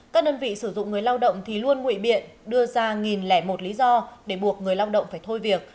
các đơn vị sử dụng người lao động thì luôn nguyện biện đưa ra nghìn một lý do để buộc người lao động phải thôi việc